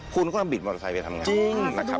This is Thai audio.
คุณก็ต้องบิดมอเตอร์ไซค์ไปทำงานนะครับ